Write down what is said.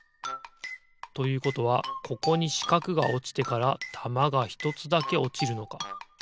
ということはここにしかくがおちてからたまがひとつだけおちるのか。